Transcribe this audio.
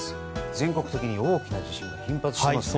全国的に大きな地震が頻発していますね。